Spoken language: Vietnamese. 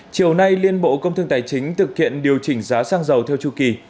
chiều nay liên bộ công thương tài chính thực hiện điều chỉnh giá xăng dầu theo chu kỳ